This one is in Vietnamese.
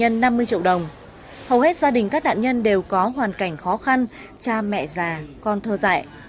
hầu hết gia đình các nạn nhân đều có hoàn cảnh khó khăn cha mẹ già con thơ dại